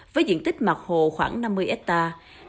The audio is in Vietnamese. với diện tích mặt hồ khoảng năm mươi hectare